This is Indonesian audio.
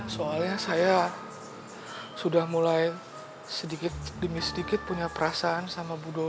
soalnya saya sudah mulai sedikit demi sedikit punya perasaan sama budaya